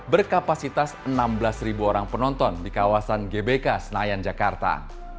berkapasitas enam belas orang penonton di kawasan gbk senayan jakarta